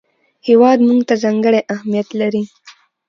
هېواد موږ ته ځانګړی اهمیت لري